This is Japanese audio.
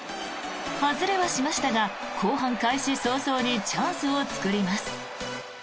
外れはしましたが後半開始早々にチャンスを作ります。